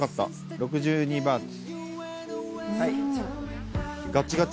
６２バーツ。